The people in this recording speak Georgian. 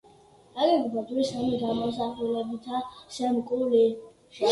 ნაგებობა ჯვრის სამი გამოსახულებითაა შემკული.